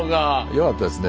よかったですね。